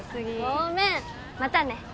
ごめんまたね。